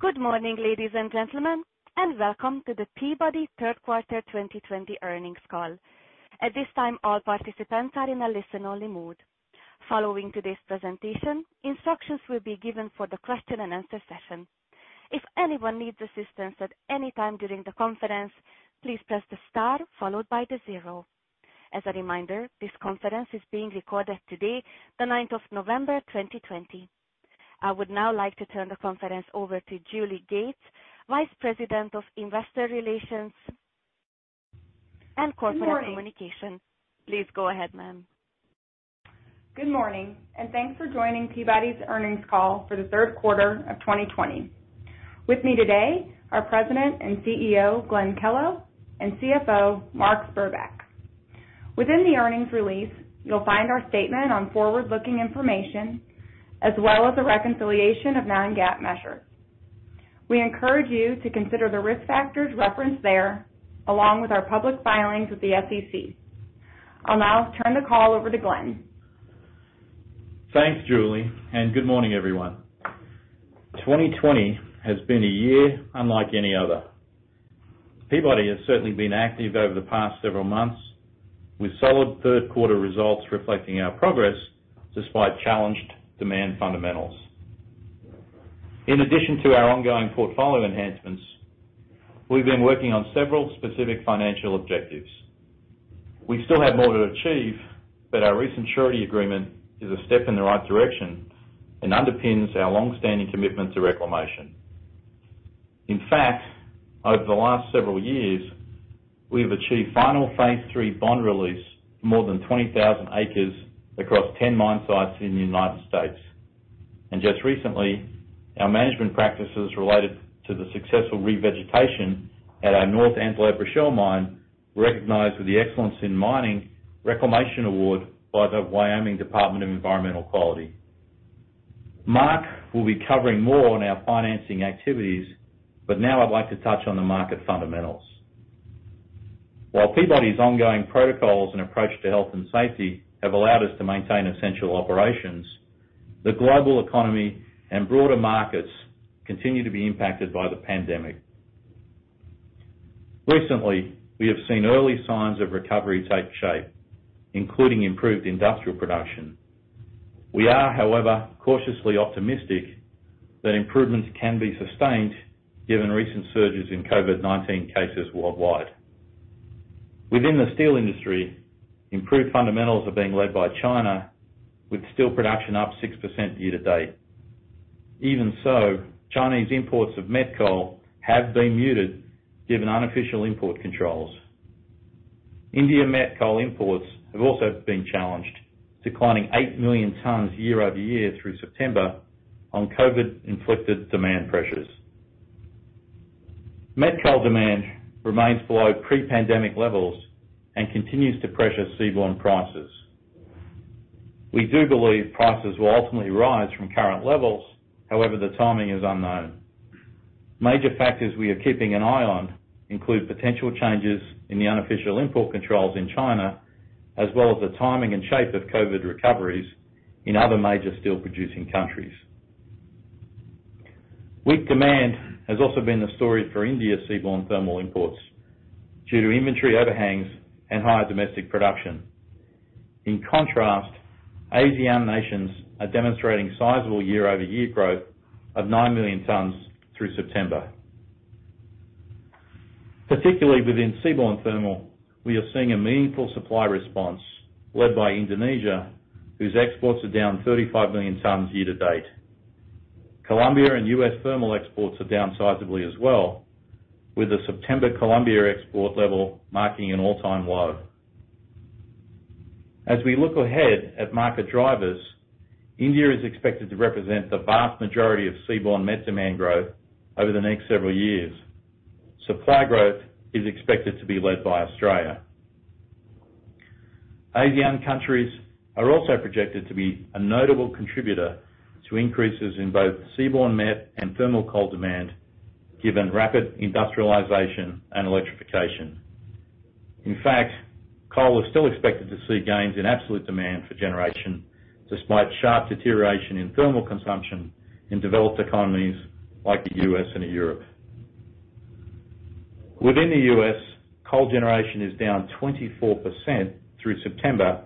Good morning, ladies and gentlemen, and welcome to the Peabody third quarter 2020 earnings call. At this time, all participants are in a listen-only mode. Following today's presentation, instructions will be given for the question-and-answer session. If anyone needs assistance at any time during the conference, please press the star followed by the zero. As a reminder, this conference is being recorded today, the 9th November, 2020. I would now like to turn the conference over to Julie Gates, Vice President of Investor Relations and Corporate Communications. Good morning. Please go ahead, ma'am. Good morning, and thanks for joining Peabody's earnings call for the third quarter of 2020. With me today are President and CEO, Glenn Kellow, and CFO, Mark Spurbeck. Within the earnings release, you'll find our statement on forward-looking information, as well as a reconciliation of non-GAAP measures. We encourage you to consider the risk factors referenced there, along with our public filings with the SEC. I'll now turn the call over to Glenn. Thanks, Julie, and good morning, everyone. 2020 has been a year unlike any other. Peabody has certainly been active over the past several months, with solid third quarter results reflecting our progress despite challenged demand fundamentals. In addition to our ongoing portfolio enhancements, we've been working on several specific financial objectives. We still have more to achieve, but our recent surety agreement is a step in the right direction and underpins our longstanding commitment to reclamation. In fact, over the last several years, we have achieved final phase three bond release more than 20,000 acres across 10 mine sites in the United States. Just recently, our management practices related to the successful revegetation at our North Antelope Rochelle Mine were recognized with the Excellence in Mining Reclamation Award by the Wyoming Department of Environmental Quality. Mark will be covering more on our financing activities, but now I'd like to touch on the market fundamentals. While Peabody's ongoing protocols and approach to health and safety have allowed us to maintain essential operations, the global economy and broader markets continue to be impacted by the pandemic. Recently, we have seen early signs of recovery take shape, including improved industrial production. We are, however, cautiously optimistic that improvements can be sustained given recent surges in COVID-19 cases worldwide. Within the steel industry, improved fundamentals are being led by China, with steel production up 6% year to date. Even so, Chinese imports of met coal have been muted given unofficial import controls. India met coal imports have also been challenged, declining 8 million tons year-over-year through September on COVID-inflicted demand pressures. Met coal demand remains below pre-pandemic levels and continues to pressure seaborne prices. We do believe prices will ultimately rise from current levels. However, the timing is unknown. Major factors we are keeping an eye on include potential changes in the unofficial import controls in China, as well as the timing and shape of COVID-19 recoveries in other major steel-producing countries. Weak demand has also been the story for India seaborne thermal imports due to inventory overhangs and higher domestic production. In contrast, Asian nations are demonstrating sizable year-over-year growth of nine million tons through September. Particularly within seaborne thermal, we are seeing a meaningful supply response led by Indonesia, whose exports are down 35 million tons year to date. Colombia and U.S. thermal exports are down sizably as well, with the September Colombia export level marking an all-time low. As we look ahead at market drivers, India is expected to represent the vast majority of seaborne met demand growth over the next several years. Supply growth is expected to be led by Australia. Asian countries are also projected to be a notable contributor to increases in both seaborne met and thermal coal demand given rapid industrialization and electrification. In fact, coal is still expected to see gains in absolute demand for generation despite sharp deterioration in thermal consumption in developed economies like the U.S. and Europe. Within the U.S., coal generation is down 24% through September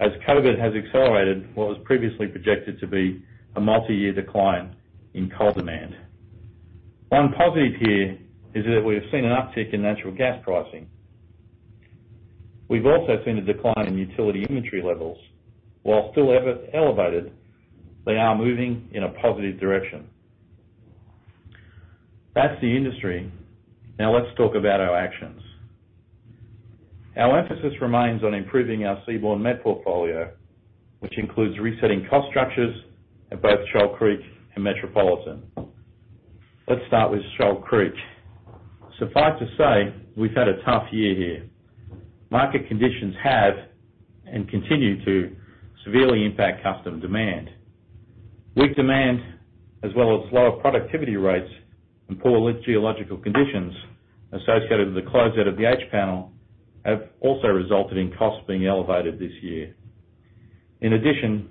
as COVID-19 has accelerated what was previously projected to be a multi-year decline in coal demand. One positive here is that we have seen an uptick in natural gas pricing. We've also seen a decline in utility inventory levels. While still elevated, they are moving in a positive direction. That's the industry. Let's talk about our actions. Our emphasis remains on improving our seaborne met portfolio, which includes resetting cost structures at both Shoal Creek and Metropolitan. Let's start with Shoal Creek. Suffice to say, we've had a tough year here. Market conditions have and continue to severely impact custom demand. Weak demand, as well as lower productivity rates and poor geological conditions associated with the close out of the H panel have also resulted in costs being elevated this year. In addition,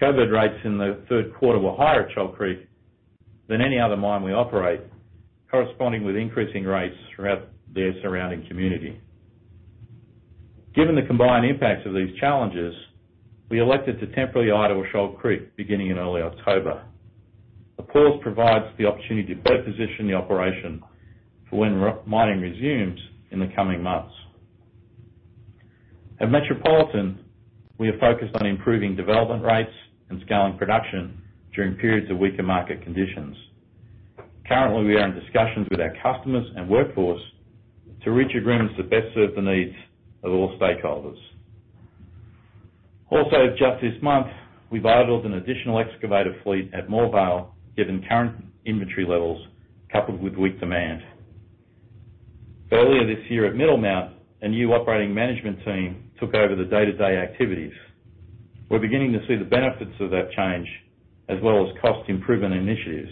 COVID-19 rates in the third quarter were higher at Shoal Creek than any other mine we operate, corresponding with increasing rates throughout their surrounding community. Given the combined impacts of these challenges, we elected to temporarily idle Shoal Creek beginning in early October. The pause provides the opportunity to better position the operation for when mining resumes in the coming months. At Metropolitan, we are focused on improving development rates and scaling production during periods of weaker market conditions. Currently, we are in discussions with our customers and workforce to reach agreements that best serve the needs of all stakeholders. Just this month, we idled an additional excavator fleet at Moorvale, given current inventory levels coupled with weak demand. Earlier this year at Middlemount, a new operating management team took over the day-to-day activities. We're beginning to see the benefits of that change as well as cost improvement initiatives.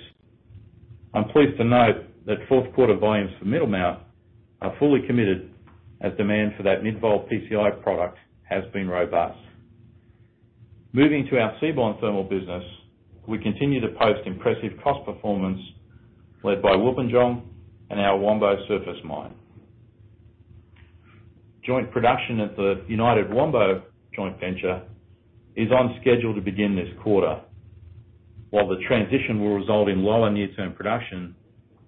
I'm pleased to note that fourth quarter volumes for Middlemount are fully committed as demand for that mid-vol PCI product has been robust. Moving to our seaborne thermal business, we continue to post impressive cost performance led by Wilpinjong and our Wambo surface mine. Joint production at the United Wambo joint venture is on schedule to begin this quarter. While the transition will result in lower near-term production,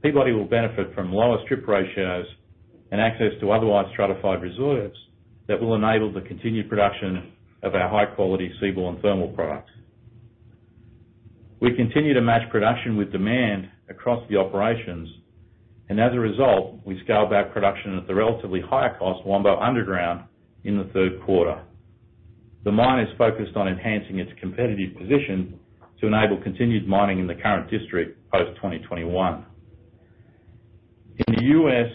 Peabody will benefit from lower strip ratios and access to otherwise stratified reserves that will enable the continued production of our high-quality seaborne thermal products. We continue to match production with demand across the operations, and as a result, we scaled back production at the relatively higher cost Wambo underground in the third quarter. The mine is focused on enhancing its competitive position to enable continued mining in the current district post-2021. In the U.S.,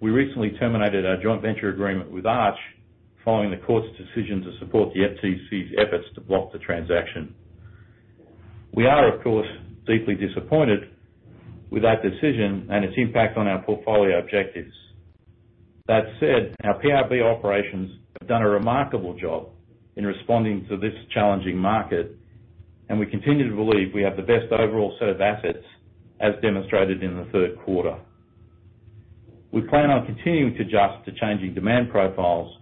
we recently terminated our joint venture agreement with Arch following the court's decision to support the FTC's efforts to block the transaction. We are, of course, deeply disappointed with that decision and its impact on our portfolio objectives. That said, our PRB operations have done a remarkable job in responding to this challenging market, and we continue to believe we have the best overall set of assets as demonstrated in the third quarter. We plan on continuing to adjust to changing demand profiles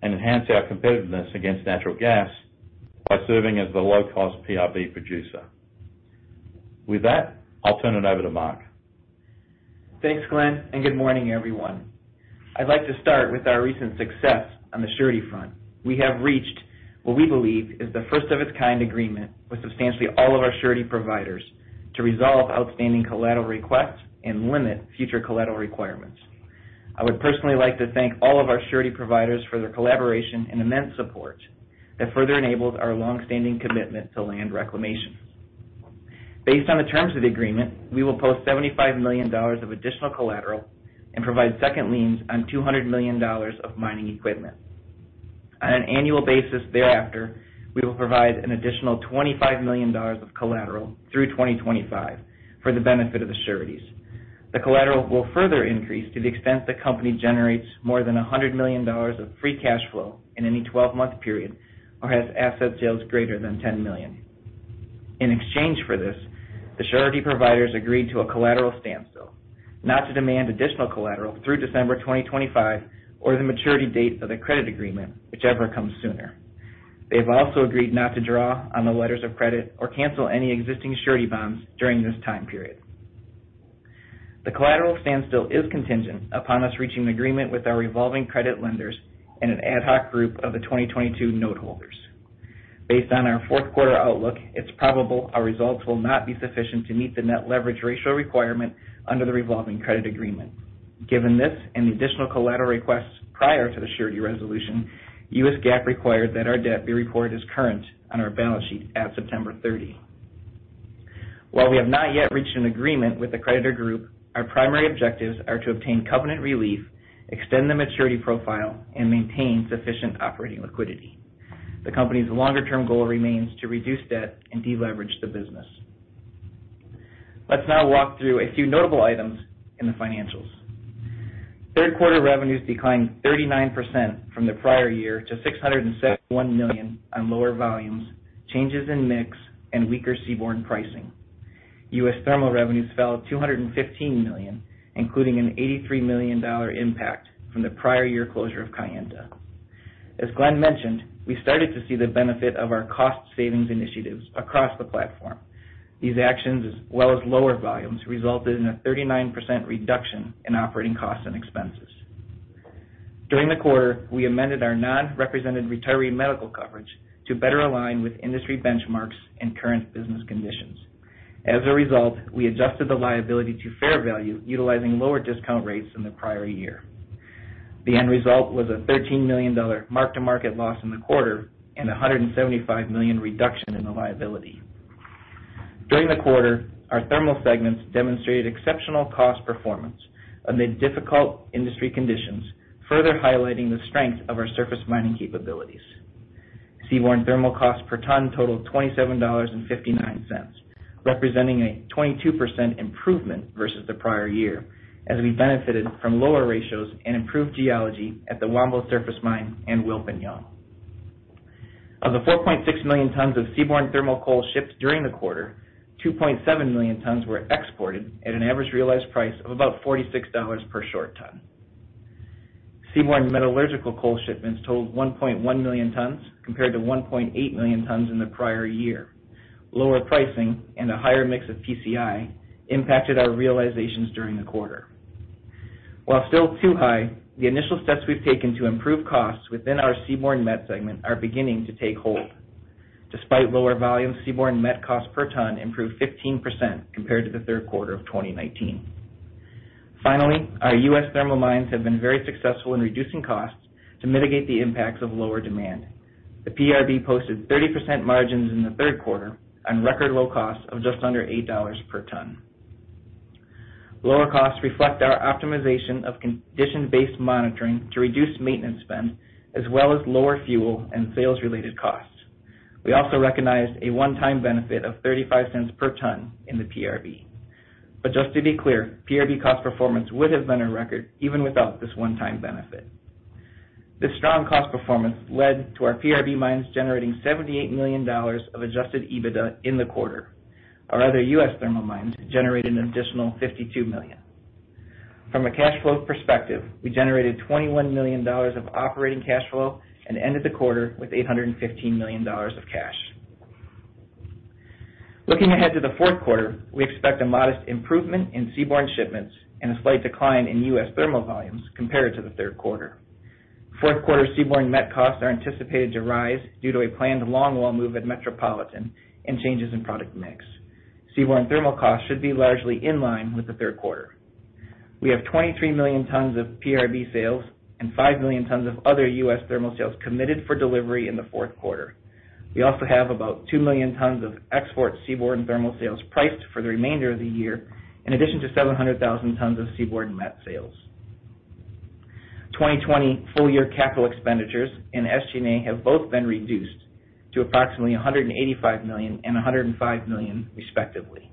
and enhance our competitiveness against natural gas by serving as the low-cost PRB producer. With that, I'll turn it over to Mark. Thanks, Glenn. Good morning, everyone. I'd like to start with our recent success on the surety front. We have reached what we believe is the first-of-its-kind agreement with substantially all of our surety providers to resolve outstanding collateral requests and limit future collateral requirements. I would personally like to thank all of our surety providers for their collaboration and immense support that further enables our longstanding commitment to land reclamation. Based on the terms of the agreement, we will post $75 million of additional collateral and provide second liens on $200 million of mining equipment. On an annual basis thereafter, we will provide an additional $25 million of collateral through 2025 for the benefit of the sureties. The collateral will further increase to the extent the company generates more than $100 million of free cash flow in any 12-month period or has asset sales greater than $10 million. In exchange for this, the surety providers agreed to a collateral standstill not to demand additional collateral through December 2025 or the maturity date of the credit agreement, whichever comes sooner. They've also agreed not to draw on the letters of credit or cancel any existing surety bonds during this time period. The collateral standstill is contingent upon us reaching an agreement with our revolving credit lenders and an ad hoc group of the 2022 noteholders. Based on our fourth quarter outlook, it's probable our results will not be sufficient to meet the net leverage ratio requirement under the revolving credit agreement. Given this and the additional collateral requests prior to the surety resolution, U.S. GAAP required that our debt be reported as current on our balance sheet at September 30. While we have not yet reached an agreement with the creditor group, our primary objectives are to obtain covenant relief, extend the maturity profile, and maintain sufficient operating liquidity. The company's longer-term goal remains to reduce debt and de-leverage the business. Let's now walk through a few notable items in the financials. Third quarter revenues declined 39% from the prior year to $671 million on lower volumes, changes in mix, and weaker seaborne pricing. U.S. thermal revenues fell $215 million, including an $83 million impact from the prior year closure of Kayenta. As Glenn mentioned, we started to see the benefit of our cost savings initiatives across the platform. These actions, as well as lower volumes, resulted in a 39% reduction in operating costs and expenses. During the quarter, we amended our non-represented retiree medical coverage to better align with industry benchmarks and current business conditions. As a result, we adjusted the liability to fair value utilizing lower discount rates than the prior year. The end result was a $13 million mark-to-market loss in the quarter and $175 million reduction in the liability. During the quarter, our thermal segments demonstrated exceptional cost performance amid difficult industry conditions, further highlighting the strength of our surface mining capabilities. Seaborne thermal cost per ton totaled $27.59, representing a 22% improvement versus the prior year, as we benefited from lower ratios and improved geology at the Wambo surface mine and Wilpinjong. Of the 4.6 million tons of seaborne thermal coal shipped during the quarter, 2.7 million tons were exported at an average realized price of about $46 per short ton. Seaborne metallurgical coal shipments totaled 1.1 million tons, compared to 1.8 million tons in the prior year. Lower pricing and a higher mix of PCI impacted our realizations during the quarter. While still too high, the initial steps we've taken to improve costs within our seaborne met segment are beginning to take hold. Despite lower volume, seaborne met cost per ton improved 15% compared to the third quarter of 2019. Finally, our U.S. thermal mines have been very successful in reducing costs to mitigate the impacts of lower demand. The PRB posted 30% margins in the third quarter on record low cost of just under $8 per ton. Lower costs reflect our optimization of condition-based monitoring to reduce maintenance spend, as well as lower fuel and sales-related costs. We also recognized a one-time benefit of $0.35 per ton in the PRB. Just to be clear, PRB cost performance would have been a record even without this one-time benefit. This strong cost performance led to our PRB mines generating $78 million of adjusted EBITDA in the quarter. Our other U.S. thermal mines generated an additional $52 million. From a cash flow perspective, we generated $21 million of operating cash flow and ended the quarter with $815 million of cash. Looking ahead to the fourth quarter, we expect a modest improvement in seaborne shipments and a slight decline in U.S. thermal volumes compared to the third quarter. Fourth quarter seaborne met costs are anticipated to rise due to a planned longwall move at Metropolitan and changes in product mix. Seaborne thermal costs should be largely in line with the third quarter. We have 23 million tons of PRB sales and 5 million tons of other U.S. thermal sales committed for delivery in the fourth quarter. We also have about 2 million tons of export seaborne thermal sales priced for the remainder of the year, in addition to 700,000 tons of seaborne met sales. 2020 full-year capital expenditures and SG&A have both been reduced to approximately $185 million and $105 million, respectively.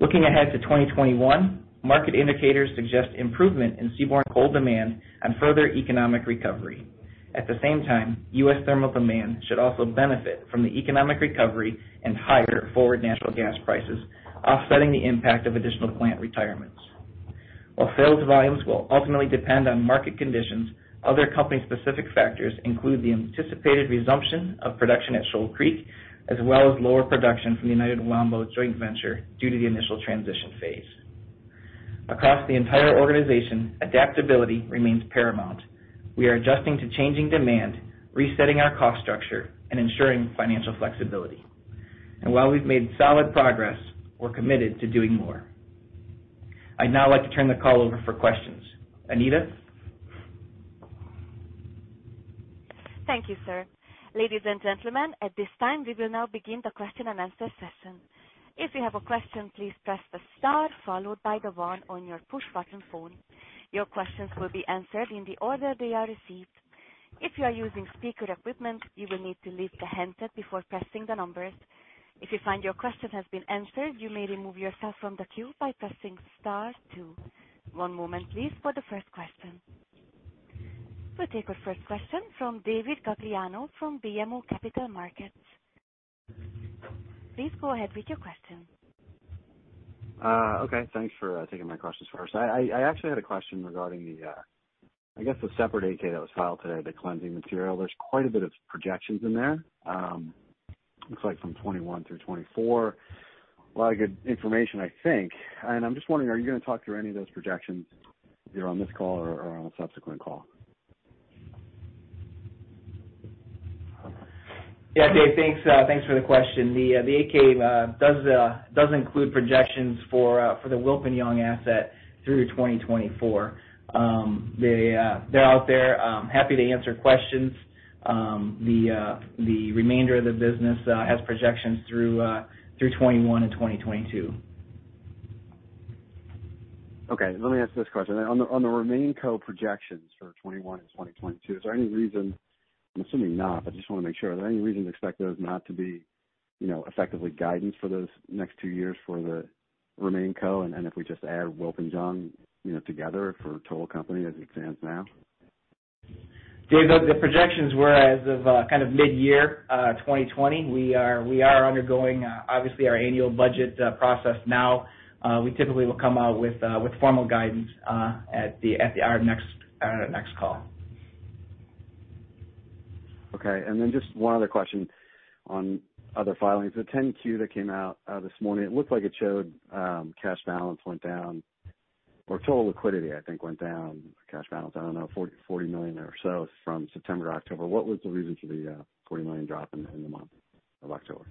Looking ahead to 2021, market indicators suggest improvement in seaborne coal demand and further economic recovery. At the same time, U.S. thermal demand should also benefit from the economic recovery and higher forward natural gas prices, offsetting the impact of additional plant retirements. While sales volumes will ultimately depend on market conditions, other company-specific factors include the anticipated resumption of production at Shoal Creek, as well as lower production from the United Wambo joint venture due to the initial transition phase. Across the entire organization, adaptability remains paramount. We are adjusting to changing demand, resetting our cost structure, and ensuring financial flexibility. While we've made solid progress, we're committed to doing more. I'd now like to turn the call over for questions. Anita? Thank you, sir. Ladies and gentlemen, at this time, we will now begin the question-and-answer session. If you have a question, please press star one on your push button phone. Your questions will be answered in the order they are received. If you are using speaker equipment, you will need to leave the handset before pressing the numbers. If you find your question has been answered, you may remove yourself from the queue by pressing star two. One moment please for the first question. We'll take our first question from David Gagliano from BMO Capital Markets. Please go ahead with your question. Okay. Thanks for taking my questions first. I actually had a question regarding the, I guess the separate 8-K that was filed today, the cleansing material. There's quite a bit of projections in there. Looks like from 2021 through 2024. A lot of good information, I think. I'm just wondering, are you going to talk through any of those projections, either on this call or on a subsequent call? Yeah, Dave. Thanks for the question. The 8-K does include projections for the Wilpinjong asset through 2024. They're out there. I'm happy to answer questions. The remainder of the business has projections through 2021 and 2022. Okay. Let me ask this question. On the RemainCo projections for 2021 and 2022, is there any reason, I'm assuming not, but I just want to make sure. Is there any reason to expect those not to be effectively guidance for those next two years for the RemainCo, and if we just add Wilpinjong together for total company as it stands now? David, the projections were as of mid-year 2020. We are undergoing, obviously, our annual budget process now. We typically will come out with formal guidance at our next call. Okay, just one other question on other filings. The 10-Q that came out this morning, it looked like it showed cash balance went down, or total liquidity, I think, went down, cash balance, I don't know, $40 million or so from September to October. What was the reason for the $40 million drop in the month of October?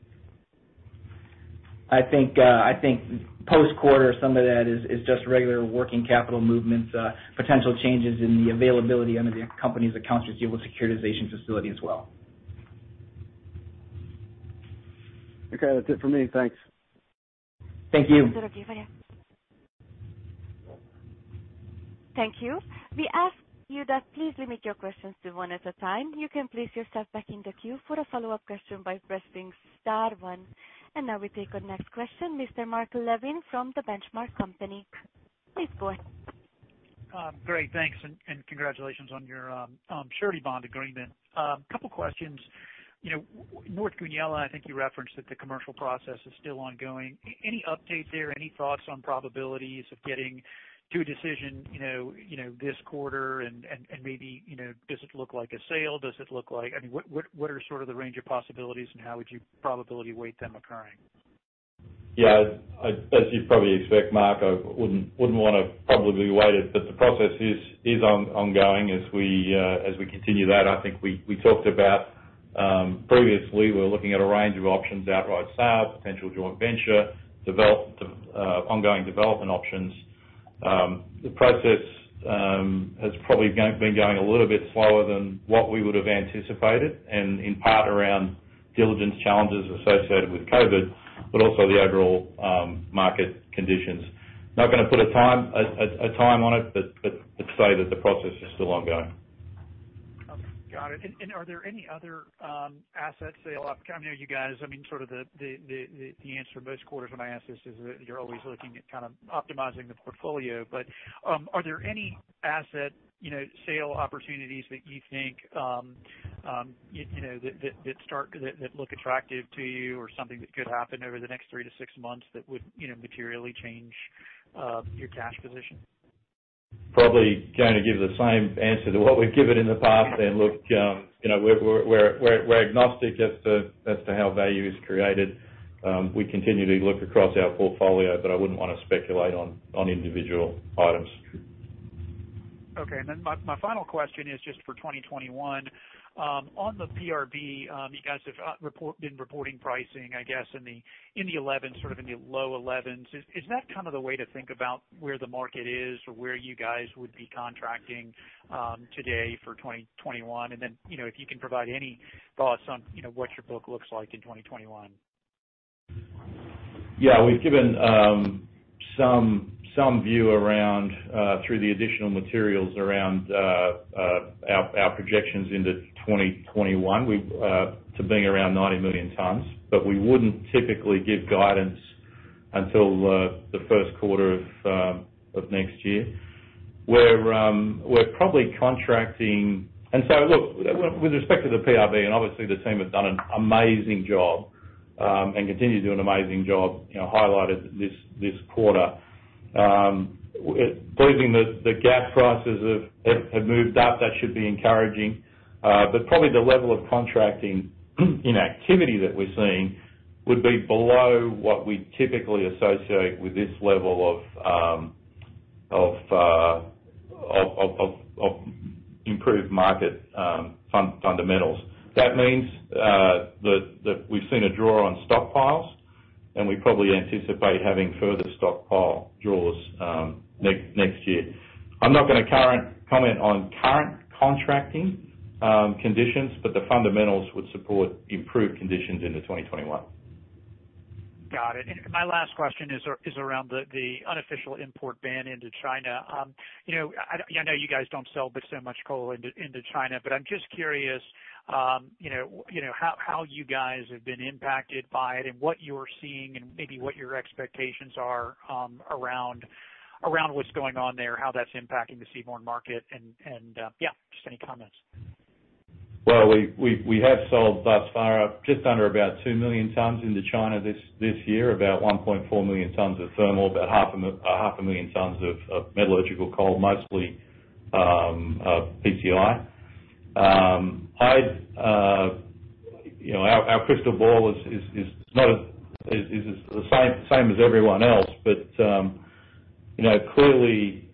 I think post-quarter, some of that is just regular working capital movements, potential changes in the availability under the company's accounts receivable securitization facility as well. Okay. That's it for me. Thanks. Thank you. Thank you. We ask you that please limit your questions to one at a time. You can place yourself back in the queue for a follow-up question by pressing star one. Now we take our next question, Mr. Mark Levin from The Benchmark Company. Please go ahead. Great, thanks, and congratulations on your surety bond agreement. A couple questions. North Goonyella, I think you referenced that the commercial process is still ongoing. Any update there? Any thoughts on probabilities of getting to a decision this quarter and maybe, does it look like a sale? What are sort of the range of possibilities, and how would you probability weight them occurring? As you'd probably expect, Mark, I wouldn't want to probability weight it, but the process is ongoing. As we continue that, I think we talked about previously, we were looking at a range of options, outright sale, potential joint venture, ongoing development options. The process has probably been going a little bit slower than what we would have anticipated, and in part around diligence challenges associated with COVID-19, but also the overall market conditions. Not gonna put a time on it, but say that the process is still ongoing. Okay. Got it. And are there any other assets sale? I kind of know you guys, I men sort of, the answer most quarters when I ask this is that you're always looking at kind of optimizing the portfolio. Are there any asset sale opportunities that you think that look attractive to you or something that could happen over the next three to six months that would materially change your cash position? Probably going to give the same answer to what we've given in the past. Look, we're agnostic as to how value is created. We continue to look across our portfolio, but I wouldn't want to speculate on individual items. Okay. My final question is just for 2021. On the PRB, you guys have been reporting pricing, I guess, in the $11, sort of in the low $11s. Is that the way to think about where the market is or where you guys would be contracting today for 2021? If you can provide any thoughts on what your book looks like in 2021. Yeah. We've given some view through the additional materials around our projections into 2021 to being around 90 million tons. We wouldn't typically give guidance until the first quarter of next year. We're probably contracting. Look, with respect to the PRB, and obviously the team have done an amazing job, and continue to do an amazing job, highlighted this quarter. Believing that the gas prices have moved up, that should be encouraging. Probably the level of contracting inactivity that we're seeing would be below what we typically associate with this level of improved market fundamentals. That means that we've seen a draw on stockpiles, and we probably anticipate having further stockpile draws next year. I'm not gonna comment on current contracting conditions, but the fundamentals would support improved conditions into 2021. Got it. My last question is around the unofficial import ban into China. I know you guys don't sell but so much coal into China, but I'm just curious how you guys have been impacted by it and what you are seeing and maybe what your expectations are around what's going on there, how that's impacting the seaborne market, and yeah, just any comments. We have sold thus far just under about 2 million tons into China this year, about 1.4 million tons of thermal, about half a million tons of metallurgical coal, mostly PCI. Our crystal ball is the same as everyone else. Clearly,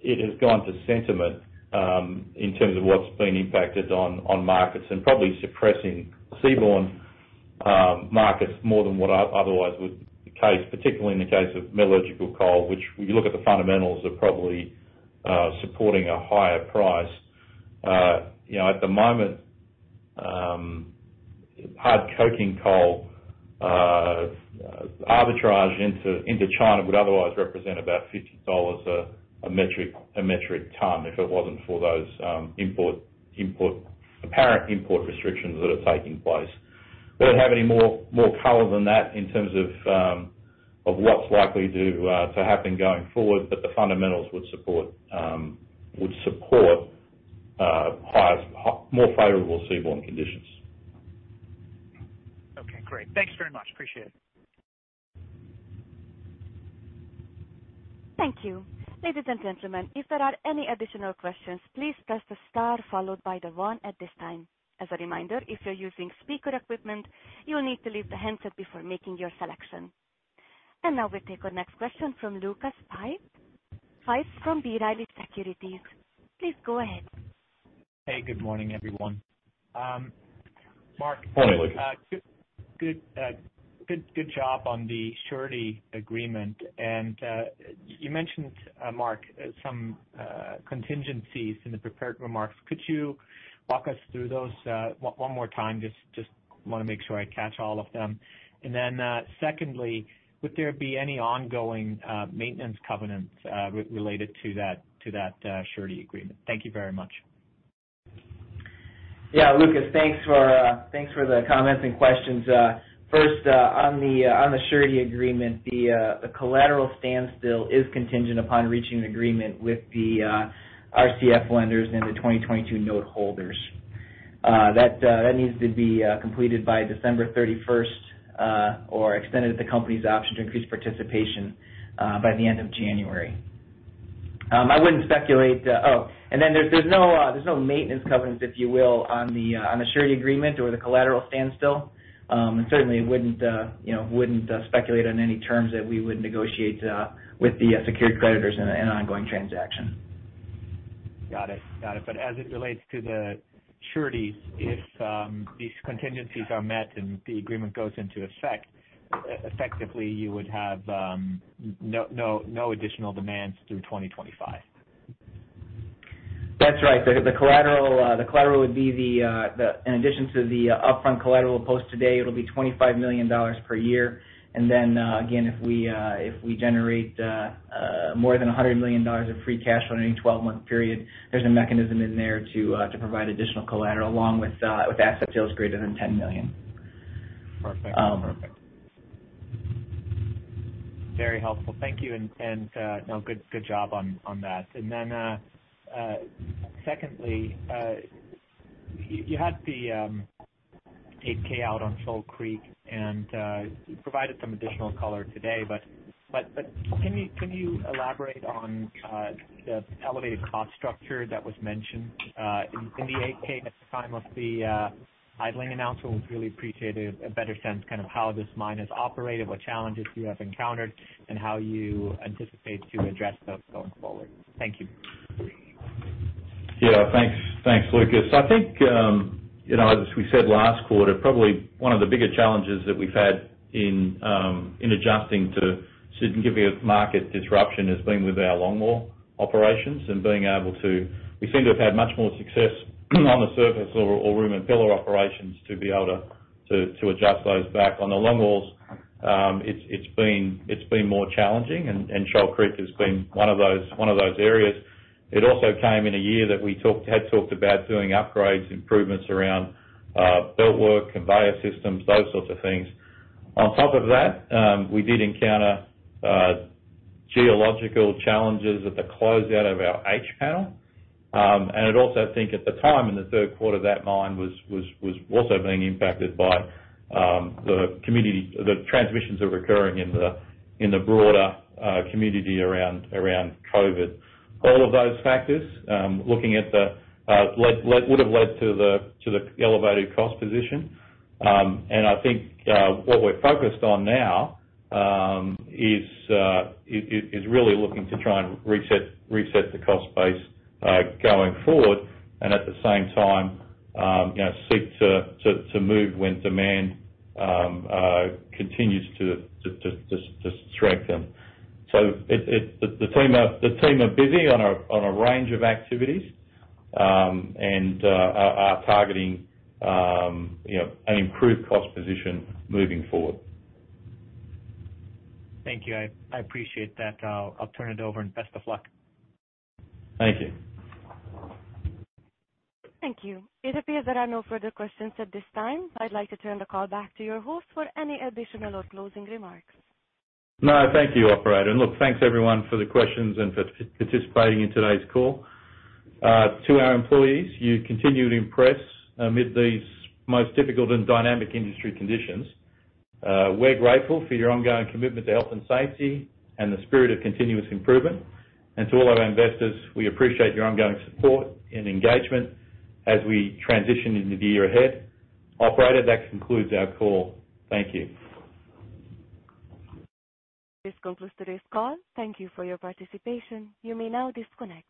it has gone to sentiment in terms of what's been impacted on markets and probably suppressing seaborne markets more than what otherwise would be the case, particularly in the case of metallurgical coal, which if you look at the fundamentals are probably supporting a higher price. At the moment, hard coking coal arbitrage into China would otherwise represent about $50 a metric ton if it wasn't for those apparent import restrictions that are taking place. I don't have any more color than that in terms of what's likely to happen going forward, the fundamentals would support more favorable seaborne conditions. Okay, great. Thanks very much. Appreciate it. Thank you. Ladies and gentlemen, if there are any additional questions, please press the star followed by the one at this time. As a reminder, if you're using speaker equipment, you'll need to leave the handset before making your selection. Now we take our next question from Lucas Pipes from B. Riley Securities. Please go ahead. Hey, good morning, everyone. Morning, Lucas. Mark, good job on the surety agreement. You mentioned, Mark, contingencies in the prepared remarks. Could you walk us through those one more time? Just want to make sure I catch all of them. Secondly, would there be any ongoing maintenance covenants related to that surety agreement? Thank you very much. Yeah. Lucas, thanks for the comments and questions. First, on the surety agreement, the collateral standstill is contingent upon reaching an agreement with the RCF lenders and the 2022 note holders. That needs to be completed by December 31st, or extended at the company's option to increase participation by the end of January. I wouldn't speculate. Oh, there's no maintenance covenants, if you will, on the surety agreement or the collateral standstill. Certainly wouldn't speculate on any terms that we would negotiate with the secured creditors in an ongoing transaction. Got it. As it relates to the surety, if these contingencies are met and the agreement goes into effect, effectively, you would have no additional demands through 2025. That's right. The collateral would be, in addition to the upfront collateral post today, it'll be $25 million per year. Again, if we generate more than $100 million of free cash flow in any 12-month period, there's a mechanism in there to provide additional collateral along with asset sales greater than $10 million. Perfect. Very helpful. Thank you, and good job on that. Secondly, you had the 8-K out on Shoal Creek, and you provided some additional color today, but can you elaborate on the elevated cost structure that was mentioned in the 8-K at the time of the idling announcement? Would really appreciate a better sense, kind of how this mine has operated, what challenges you have encountered, and how you anticipate to address those going forward. Thank you. Yeah, thanks, Lucas. I think, as we said last quarter, probably one of the bigger challenges that we've had in adjusting to significant market disruption has been with our longwall operations. We seem to have had much more success on the surface or room and pillar operations to be able to adjust those back. On the longwalls, it's been more challenging, and Shoal Creek has been one of those areas. It also came in a year that we had talked about doing upgrades, improvements around belt work, conveyor systems, those sorts of things. On top of that, we did encounter geological challenges at the closeout of our H panel. I'd also think at the time, in the third quarter, that mine was also being impacted by the transmissions that were occurring in the broader community around COVID. All of those factors would have led to the elevated cost position. I think what we're focused on now is really looking to try and reset the cost base going forward, and at the same time, seek to move when demand continues to strengthen. The team are busy on a range of activities, and are targeting an improved cost position moving forward. Thank you. I appreciate that. I'll turn it over, and best of luck. Thank you. Thank you. It appears there are no further questions at this time. I'd like to turn the call back to your host for any additional or closing remarks. No, thank you, Operator. Look, thanks, everyone, for the questions and for participating in today's call. To our employees, you continue to impress amid these most difficult and dynamic industry conditions. We're grateful for your ongoing commitment to health and safety and the spirit of continuous improvement. To all our investors, we appreciate your ongoing support and engagement as we transition into the year ahead. Operator, that concludes our call. Thank you. This concludes today's call. Thank you for your participation. You may now disconnect.